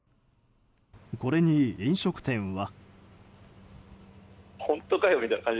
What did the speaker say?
これに飲食店は。